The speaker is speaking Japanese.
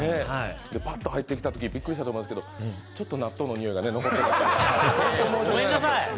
パッと入ってきたときびっくりしたと思いますけど、ちょっと納豆のにおいが残ってた。